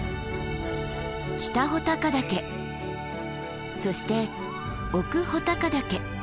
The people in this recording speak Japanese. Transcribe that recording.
北穂高岳そして奥穂高岳。